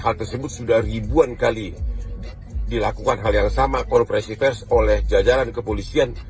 hal tersebut sudah ribuan kali dilakukan hal yang sama konferensi pers oleh jajaran kepolisian